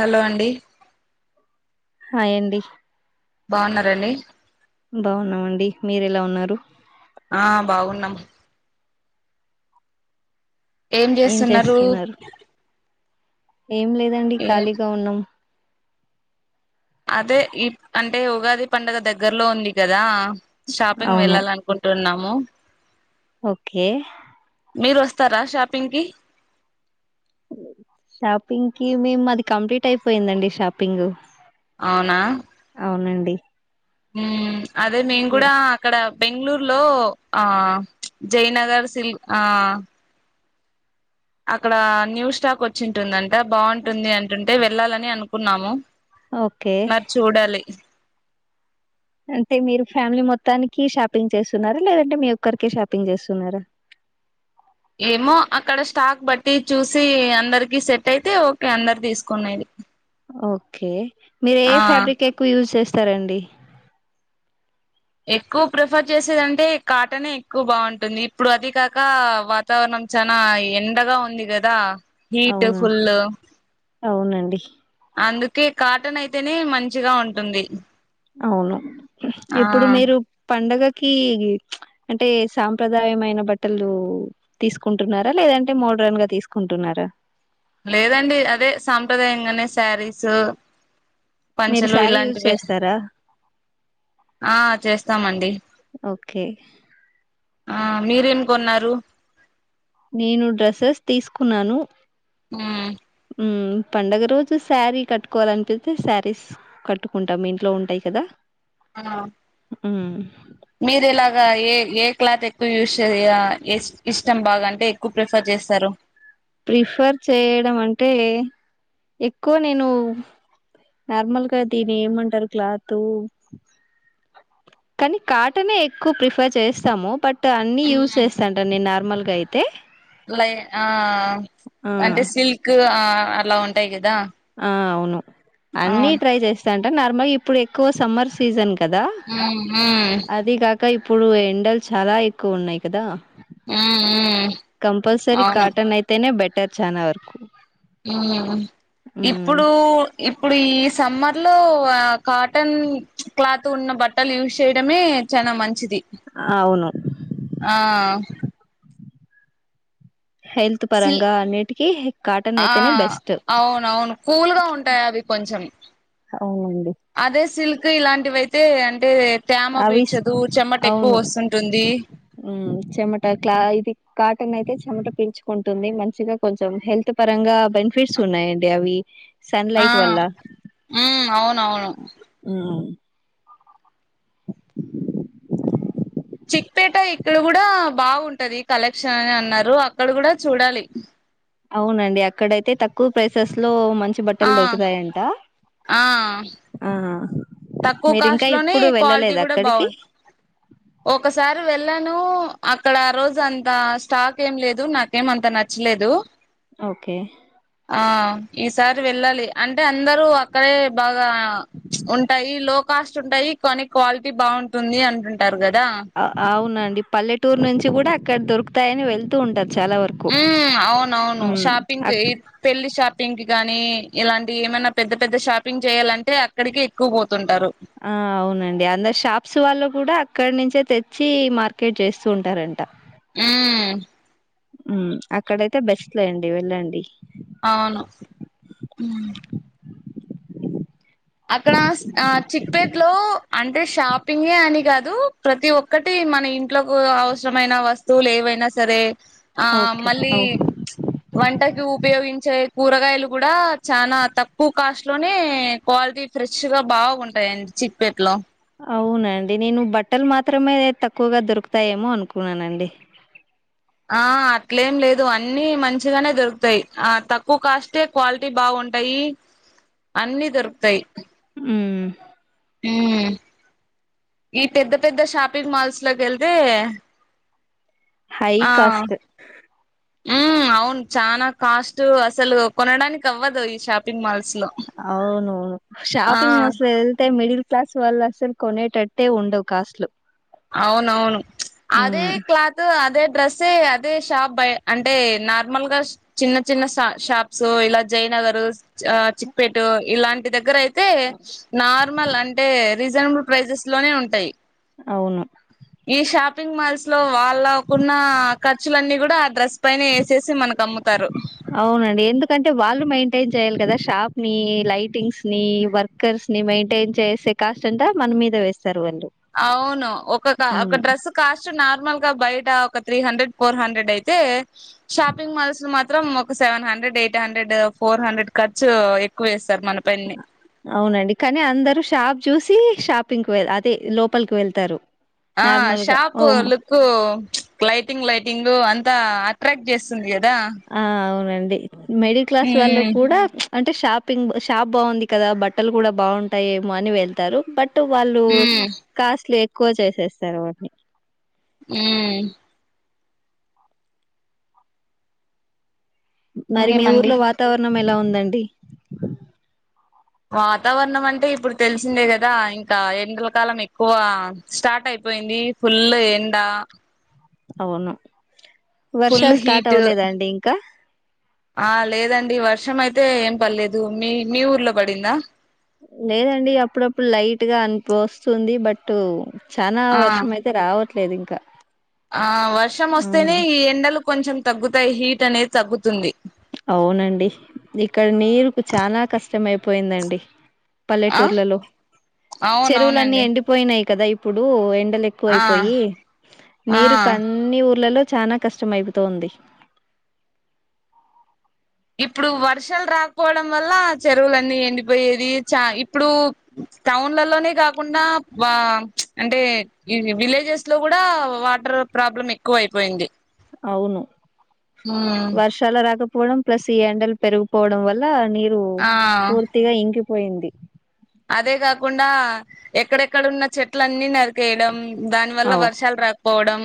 Hello అండి hi అండి బావున్నారండి బావున్నామండి మీరు ఎలా ఉన్నారు ఆ బాగున్నాం ఏం చేస్తున్నారు ఏం లేదండి ఏ ఖాళీగా ఉన్నాం అదే ఈ అంటే ఉగాది పండుగ దగ్గరలో ఉంది కదా షాపింగ్ అవును వెళ్ళాలనుకుంటున్నాము ఓకే మీరు వస్తారా షాపింగ్ కి షాపింగ్ కి మేము మాది కంప్లీట్ అయిపోయిందండి షాపింగ్ అవునా అవునండి ఉ అదే మేం మీ- కూడా అక్కడ బెంగళూరులో ఆ జయనగర్ సిల్క్ ఆ అక్కడ న్యూ స్టాక్ వచ్చింటుందంట బాగుంటుంది అంటుంటే వెళ్ళాలని అనుకున్నాము ఓకే మరి చూడాలి అంటే మీరు ఫ్యామిలీ మొత్తానికి షాపింగ్ చేస్తున్నారా లేదంటే మీ ఒక్కరికే షాపింగ్ చేస్తున్నారా ఏమో అక్కడ స్టాక్ బట్టి చూసి అందరికి సెట్ అయితే ఓకే అందరు తీసుకునేది ఓకే మీరు ఏ ఆ ఫ్యాబ్రిక్ ఎక్కువ యూజ్ చేస్తారండి ఎక్కువ ప్రిఫర్ చేసేదంటే కాటనే ఎక్కువ బాగుంటుంది ఇప్పుడు అది కాక వాతావరణం చానా ఎండగా ఉంది కదా హీట్ అవును ఫుల్ అవునండి అందుకే కాటన్ అయితేనే మంచిగా ఉంటుంది అవును ఆ ఇప్పుడు మీరు పండగ కీ అంటే సాంప్రదాయమైన బట్టలు తీసుకుంటున్నారా లేదంటే మో డ్రన్ గా తీసుకుంటున్నారా లేదండి అదే సాంప్రదాయంగానే శారీసు మీరు పంచలు శారీ యూజ్ ఇలాంటివి చేస్తారా ఆ చేస్తామండి ఓకే ఆ మీరేం కొన్నారు నేను డ్రస్సెస్ తీసుకున్నాను మ్మ్ మ్మ్ పండగ రోజు శారీ కట్టుకోవాలనిపితే శారీస్ కట్టుకుంటాము ఇంట్లో ఉంటాయి కదా అదా మ్మ్ మీరు ఎలాగ ఏ ఏ క్లాత్ ఎక్కువ యూస్ చే ఇష్టం బాగాంటే ఎక్కువ ప్రిఫర్ చే స్తారు ప్రిఫర్ చేయడం అంటే ఎక్కువ నేను నార్మల్గా దీని ఏమంటారు క్లాతు కానీ కాటనే ఎక్కువ ప్రిఫర్ చేస్తాము బట్ అన్ని యూస్ చేస్తాంట నేను నార్మల్గా అయితే లై ఆ ఆ అంటే సిల్క్ ఆ అలా ఉంటాయి కదా ఆ అవును అన్నీ అవును ట్రై చేస్తాంట నార్మల్గా ఇప్పుడు ఎక్కువ సమ్మర్ సీజన్ కదా ఉమ్ ఉమ్ అది కాక ఇప్పుడు ఎండలు చాలా ఎక్కువ ఉన్నాయి కదా మ్మ్ మ్మ్ కంపల్సరీ కాటన్ అయితేనే బెటర్ చాలా వరకు మ్మ్ ఇప్పుడు ఇప్పుడు ఈ సమ్మర్ లో ఎక్కువ కాటన్ క్లాత్ ఉన్న బట్టలు యూస్ చేయడమే చాల మంచిది ఆ అవును ఆ హెల్త్ సిల్ పరంగా అన్నిటికీ కాటన్ ఆ అయితేనే బెస్ట్ అవును అవును కూల్గా ఉంటాయి అవి కొ కొంచం అవునండి అదే సిల్క్ ఇలాంటివయితే అంటే తేమ అవి స్- పీల్చదు చెమట ఎక్కువ అవును వస్తుంటుంది మ్మ్ చెమట క్లా ఇది కాటన్ అయితే చెమట పీల్చుకుంటుంది మంచిగా కొంచెం హెల్త్ పరంగా బెనిఫిట్స్ ఉన్నాయండి అవి ఆ సన్లైట్ వల్ల ఉమ్ అవునవును చిక్పేట ఇక్కడ కూడా బాగుంటది కలెక్షన్ అని అన్నారు అక్కడ కూడా చూడాలి అవునండి అక్కడైతే తక్కువ ప్రైసెస్ లో మంచి ఆ బట్టలు దొరుకుతాయంట ఆ ఆ తక్కువ మీరు ఇంకా కాస్ట్ లోనే ఎప్పుడు క్వాలిటీ వెళ్ళలేద కూడా అక్కడికి ారు వెళ్ళాను అక్కడ రోజు అంత స్టాక్ ఏం లేదు నాకేమంత నచ్చలేదు ఓకే ఆ ఈసారి వెళ్ళాలి అంటే అందరూ అక్కడే బాగా ప్చ్ ఉం లో కాస్ట్ ఉంటాయి కానీ క్వాలిటీ బాగుంటుంది అంటుంటారు గదా అవునండి పల్లెటూరు నుంచి కూడా అక్కడ దొరుకుతాయని వెళ్తూ ఉంటారు చాలా వరకు మ్మ్ మ్మ్ అవునవును హ్మ్. షాపింగ్ అక్ [unintelligible] పెళ్లి షాపింగ్ పింక్ గాని ఇలాంటివి ఏమైనా పెద్ద పెద్ద షాపింగ్ చేయాలంటే అక్కడికే ఎక్కువ పోతుంటారు ఆ అవునండి అందరూ షాప్స్ వాళ్ళు కూడా అక్కడ నుంచే తెచ్చి మార్కెట్ చేస్తూ ఉంటారంట మ్మ్ మ్మ్ అక్కడయితే బెస్ట్ లెండి వెళ్ళండి అవును అక్కడ ఆ చిక్పేట్ లో అంటే షాపింగే అని కాదు ప్రతి ఒక్కటి ఈ మన ఇంట్లోలకు అవసరమైన వస్తువులు ఏవైనా సరే ఆ ఓకే మళ్ళీ ఓహ్! వంటకు ఉపయోగించే కూరగాయలు కూడా చనా తక్కువ కాస్ట్ లోనే క్వాలిటీ ఫ్రెష్ గా బాగుంటాయండి చిప్పెట్లో అవునా అండి నేను బట్టలు మాత్రమే తక్కువగా దొరుకుతాయేమో అనుకున్నానండి ఆ అట్లేం లేదు అన్నిీ మంచిగానే దొరుకుతాయి ఆ తక్కువ కాస్టే క్వాలిటీ బాగుం ఉంటయి అన్నిీ దొరుకుతయి హ్మ్. మ్ ఈ పెద్ద పెద్ద షాపింగ్ మాల్స్ లోకి వెళ్తే హై కాస్ట్ ఉ అవును చనా కాస్ట్ అసలు కొనడానికి అవ్వదు షాపింగ్ మాల్స్ లో అవును ఆ షాపిింగ్ మల్ల్స్లో వెళ్తే మిడిల్ క్లాస్ వల్ అసలు కొనేటట్టే ఉండవు కాస్ట్లు అవునవును అదే మ్ క్లాత్ అదే డ్రెస్ ఎ అదే షాప్ బై అంటే నార్మల్ గా చిన్న చిన్న స షాప్స్ ఇలా జైనా నగర్ చిక్పేట్ ఇలాంటి దగ్గర అయితే నార్మల్ అంటే రీసన బుల్ ప్రైసెస్ లోనే ఉంటయి అవును ఈ షాపింగ్ మాల్స్ లో వాళ్ళకున్న ఖర్చులన్నీ కూడా ఆ డ్రెస్ పైనే వేసేసి మనకు అమ్ముతారు టైన్ చేయాలి కదా షాప్ ని లైటింగ్స్ ని వర్కర్స్ ని మెయింటైన్ చేసే కాస్ట్ అంతా మనం మీద వేస్తా అవును ఒక ఒక మ్ డ్రెసు కాస్ట్ నార్ మల్ గా బయట ఒక త్రీ హండ్రెడ్ ఫోర్ హండ్రెడ్ అయితే షాపింగ్ మాల్స్ లో మాత్రం ఒక seven hundred eight hundred four hundred ఖర్చు ఎక్కువ వేస్తారు మన పైనే అవునండి కానీ అందరు షాప్ చూసి షాపింగ్ కు వేల్ అదే లోపలికి వెళ్తారు ఆ నార్మల్ గా షాప్ ఓ లుక్ లైటింగ్ లైటింగ్ అన్ త అట్రాక్ట్ చేస్తుంది అ ఆ అవునండి మిడిల్ క్లాస్ వాళ్లు ఉమ్ కూడా అంటే షాపింగ్ షాప్ బావుంది కదా బట్టలు కూడా బాగుంటాయేమో అని వెళ్తారు బట్ అటు వాళ్ళు ఉమ్ కాస్ట్లు ఎక్కువ చేసేస్తారు వాటిని హ్మ్ మరి మీ ఇంకేమండి ఊర్లో వాతావరణం ఎలా ఉందండి వాతావరణం అంటే ఇప్పుడు తెలిసిందే కదా ఇంకా ఎండల కాలం ఎక్కువ స్టార్ట్ అయిపో పోయింది ఫుల్ ఎండా అవును ఫుల్ వర్షాలు స్టార్ట్ హీట్ అవ్వలేదా అండి ఇంకా ఆ లేదండి వర్షం అయితే ఏం పడలేదు మీ మీ ఊర్లో పడిందా లేదండి అప్పుడప్పుడు లైట్ గా అనిపు వస్తుంది బట్ చానా ఆ వర్షం అయితే రావట్లేదు ఇంకా ఆ వర్షం వస్తేనే ఉమ్ ఈ ఎండలు కొంచెం తగ్గుతాయి హీట్ అనేది తగ్గుతుంది అవునండి ఇక్కడ నీరుకు చాలా కష్టమైపోయిందండి ఆ పల్లెటూర్లలో చెరువులన్నీ అవునవునండి ఎండిపోయినాయి కదా ఇప్పుడు ఎన్ ఎండలు ఆ ఎక్కువయిపోయి ఆ నీరుకు అన్ని ఊర్లలో చానా కష్టం అయిపోతో ఉంది ఇప్పుడు వర్షాలు రాకపోవడం వల్ల చెరువులన్నీ ఎండిపోయేది చ ఇప్పుడు టౌన్లలోనే కాకుండా వా అంటే ఈ విలేజెస్ లో కూడా వాటర్ టర్ ప్రాబ్లం ఎక్కువ అయిపోయింది అవును వర్షాలు రాకపోవడం ప్లస్ ఈ ఎండలు పెరిగిపోవడం వల్ల నీరు ఆ పూర్తిగా ఇంకిపోయింది అదే కాకుండా ఎక్కడెక్కడ ఉన్న చెట్లన్ని నరికేయడం దాని వల్ల అవు వర్షాలు రాకపోవడం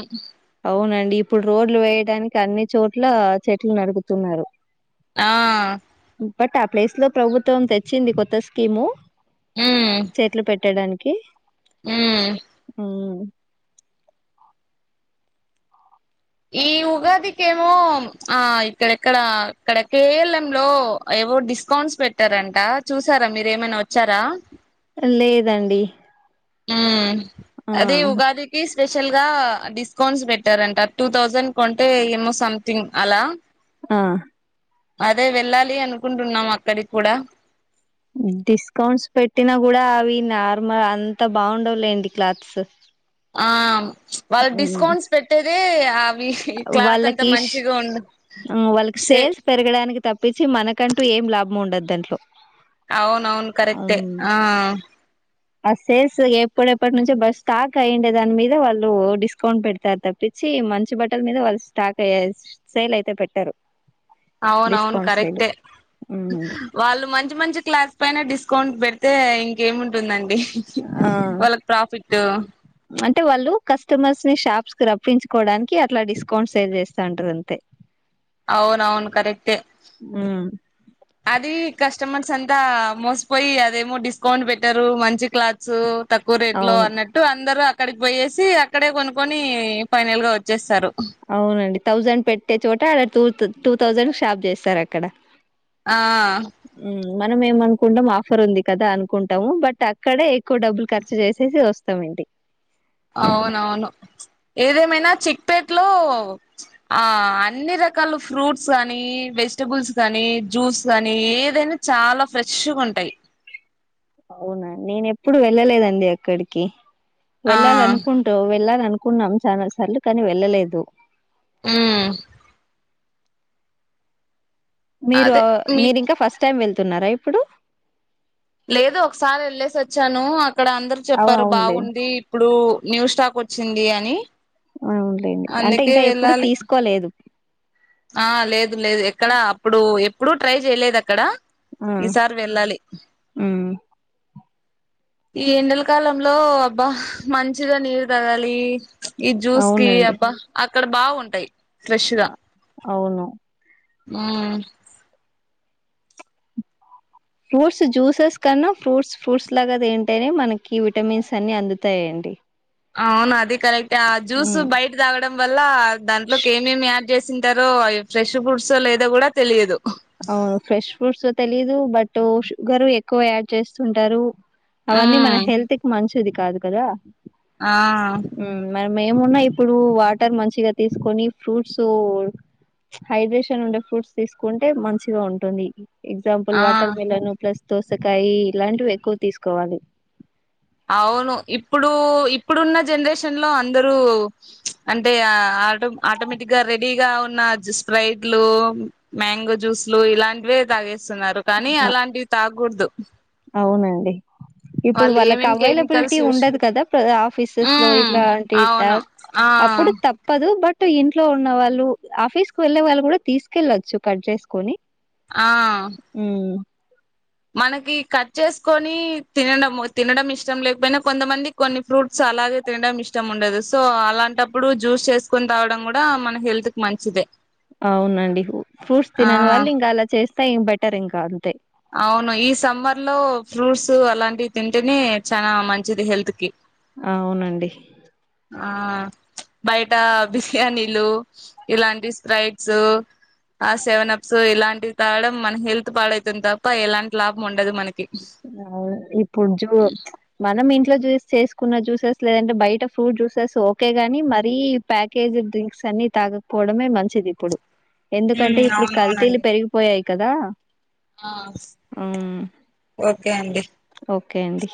అవునండి ఇప్పుడు రోడ్లు వేయడానికి అన్ని చోట్ల చెట్లు నరుకుతున్నారు ఆ బట్ ఆ ప్లేస్ లో ప్రభుత్వం తెచ్చింది కొత్త స్కీము చెట్లు పెట్టడా కి హుమ్మ్ హుమ్మ్ ఈ ఉగాదికెమో ఆ ఇక్కడ ఇక్కడ ఇక్కడ కె యల్ యంలో ఏవో డిస్కౌంట్స్ పెట్టారంట చూసారా మీరేమైనా వచ్చారా లేదండి హ్మ్ ఆ అదే ఉగాదికి స్పెషల్ గా డిస్కౌంట్స్ పెట్టారంట టూ థౌసండ్ కొంటే ఏమో సంథింగ్ అలా ఆ అదే వెళ్ళాలి అనుకుంటున్నాం అక్కడికి కూడా డిస్కౌంట్స్ పెట్టినా కూడా అవి నార్మల్ అంత బాగుండవులేండి క్లాత్స్ ఆ వాళ్ళ ఉమ్, డిస్కౌంట్స్ పెట్టేదే అవి ఈ క్లాత్ అంత వాళ్ళకి ఇష్ మంచిగా ఉం ఆ వాళ్ళకి సేల్స్ పెరగడానికి తప్పించి మనకంటూ ఏం లాభం ఉండద్దు అవును అవును కరెక్టే అవును ఆ ఆ సేల్స్ ఎప్పుడెప్పటి నుంచో బస్ స్టాక్ అయ్యండే దాని మీద వాళ్ళు డిస్కౌంట్ పెడతారు తప్పి వచ్చి మంచి బట్టల మీద వాళ్ళు స్టాక్య సేల్ అయితే పెట్టారు అవున అవును డిస్కౌంట్ సేల్ కరెక్టే ఉమ్ వాళ్ళు మంచి మంచి క్లాస్ పైన డిస్ స్కౌంట్ పెడితే ఇంకేముంటుందండి ఆ వాళ్ళకి ప్రాఫిట్ అంటే వాళ్ళు కస్టమర్స్ షాప్స్ కి రప్పించుకోవడానికి అట్లా డిస్కౌంట్ సేల్ చేస్త ఉంటారు అంతే అవున అవును కరెక్ట్ ఉమ్ అది కస్టమర్స్ అంతా మోసిపోయి అదేమో డిస్కౌంట్ పెట్టారు మంచి క్లాత్స్ తక్కువ రేట్ లో అవును అన్నట్టు అందరుూ అక్కడికి పోయేసి అక్కడే కొనుక్కొని ఫైనల్ గా వచ్చేస్తారు అవునండి థౌజండ్ పెట్టే చోట అడ టూ టూ థౌసండ్ షాప్ చేస్తారు అక్కడ ఆ మ్మ్ మనం ఏమనుకుంటాం ఆఫర్ ఉంది కదా అనుకుంటాము బట్ అక్కడే ఎక్కువ డబ్బులు ఖర్చు చేసేసి వస్తామంటి అవునవును ఏదేమైనా చిక్పేట్ లో ఆ అన్ని రకాల ఫ్రూట్స్ కాగానీ వెజిటబుల్స్ కానీ జ్యూస్ కాని ఏదైనా చాలా ఫ్రెష్గా ఉంటాయి అవునా నేన ఎప్పుడు వెళ్ళలేదండి అక్కడికి ఆ వెళ్ళాలనుకుంటూ వెళ్ళ అనుకున్నాం చాలా సార్లు కాని వెళ్ళలేదు ఉమ్ మీరు అదే మీ మీరు ఇంకా ఫస్ట్ టైం వెళ్తున్నారా ఇప్పుడు లేదు ఒకసారి వెళ్ళేసి వచ్చాను అక్కడ అందరు అవు చెప్పారు అవునులే బాగుంది ఇప్పుడు న్యూ స్టాక్ వచ్చింది అని అవులేండి అంటే అందుకే ఇంకా ఎప్పుడు వెళ్ళాలి తీసుకోలేదు ఆ లేదు లేదు ఎక్కడ అప్పుడు ఎప్పుడు ట్రై చేయలేదు అక్కడ ఆ ఈసారి వెళ్ళాలి మ్మ్ ఈ ఎండెల కాలంలో అబ్బా మంచిగా నీరు తగాలి ఈ జ్యూస్ కి అవునండి అబ్బా అక్కడ బాగుంటాయి ఫ్రెష్గా అవును మ్మ్ ఫ్రూట్స్ జ్యూసెస్ కన్నా ఫ్రూట్స్ ఫ్రూట్స్ లాగా ఏంటనే మనకి విటమిన్స్ అన్ని అందుతాయిండి అవును అది కరెక్ట్ ఆ జ్యూస్ బయట తాగడం వల్ల దాంట్లోకి ఏమేమి యాడ్ చేసింటారు అవి ఫ్రెష్ ఫుడ్సో లేదో కూడా తెలియదు అవును ఫ్రెష్ ఫ్రూట్సో తెలీదు బట్ షుగర్ ఎక్కువ యాడ్ చేస్తుంటారు అవన్నీ మన ఉమ్ హెల్త్కి మంచిది కాదు కదా ఆ మనం ఏమున్నా ఇప్పుడు వాటర్ మంచిగా తీసుకొని ఫ్రూట్స్ హైడ్రేషన్ ఉండే ఫ్రూడ్స్ తీసుకుంటే మంచిగా ఉంటుంది ఎగ్జాంపుల్ ఆ వాటర్ మిలన్ ప్లస్ దోసకాయి ఇలాంటివి ఎక్కువ తీసుకోవాలి అవును ఇప్పుడు ఇప్పుడున్న జనరేషన్ లో అందరూ అంటే ఆటో ఆటోమేటిక్ గా రెడీగా ఉ న్న స్ప్రైట్లు మ్యాంగో జ్యూస్ లు ఇలాంటివే తాగేస్ స్తున్నారు కానీ ఆ, అలాంటివి తాగకూడదు అవునండి ఇప్పుడు వాళ్ళు వాళ్ళకి ఏమేం అవైలబిలిటీ కెమికల్స్ యూస్ ఉండదు కదా ఆఫీసెస్ లో ఉమ్ ఇట్లాంటి అవును ఆ అప్పుడు తప్పదు బట్ ఇంట్లో ఉన్న వాళ్ళు ఆఫీస్ కు వెళ్ళే వాళ్ళు కూడా తీసుకెళ్ళొచ్చు కట్ చేసుకొని ఆ ఉమ్ మనకి కట్ చేసుకొని తినడం తినడం ఇష్టం లేకపోయినా కొంతమంది కొన్ని ఫ్రూట్స్ అలాగే తినడం ఇష్టం ఉండదు సో అలాంటప్పుడు జ్యూస్ చేసుకోని తాగడం కూడా మన హెల్త్ కి మంచిదే అవునండి ఫ్రూట్స్ ఆ తినని వాళ్ళు ఇంకా అలా చేస్తే బెటర్ ఇంకా అంతే అవును ఈ సమ్మర్ లో ఫ్రూట్స్ అలాంటివి తింటేనే చానా మంచిది హెల్త్ కి అవునండి ఆ బయట బిర్యానీలు ఇలాంటి స్ప్రైట్స్ ఆ సెవెన్ అప్స్ ఇలాంటివి తాగడం మన హెల్త్ పాడైతుంది తప్ప ఎలాంటి లాభం ఉండదు మన అవు ఇప్పుడు జూ మనం ఇ ఇంట్లో జూసెస్ చేసుకున్న జ్యూసెస్ లేదంటే బయట ఫ్రూట్ జ్యూసెస్ ఓకే గానీ మరీ ప్యాకేజ్డ్ డ్రింక్స్ న్నీ తాగకపోవడమే మంచిది ఇప్పుడు ఉమ్ ఎందుకంటే ఇప్పుడు కల్తీలు పెరిగిపోయాయి కదా ఆ హ్మ్. ఓకే అండి ఓకే అండి